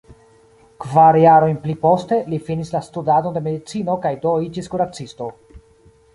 Kvar jarojn pli poste, li finis la studadon de medicino kaj do iĝis kuracisto.